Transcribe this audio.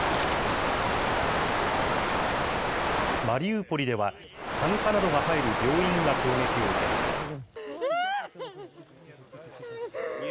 マリウポリでは、産科などが入る病院が攻撃を受けました。